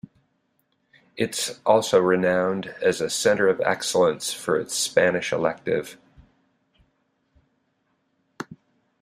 It's also renowned as a center of excellence for its Spanish elective.